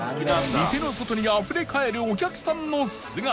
店の外にあふれかえるお客さんの姿が